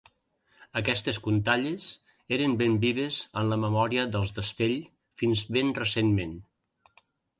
Aquestes contalles eren ben vives en la memòria dels d'Astell fins ben recentment.